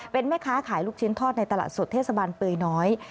เป็นแม่ค้าขายลูกชิ้นทอดในตลาดสดเทศบาลเปยน้อย